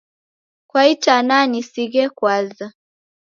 Kwa itanaa nisighe kwaza.